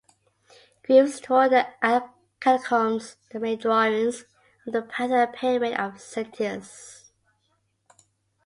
Greaves toured the Catacombs and made drawings of the Pantheon and Pyramid of Cestius.